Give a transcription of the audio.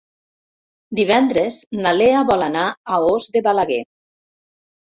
Divendres na Lea vol anar a Os de Balaguer.